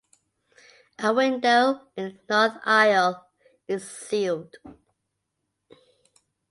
A window in the north aisle is sealed.